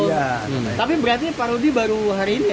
iya tapi berarti parodi baru hari ini ya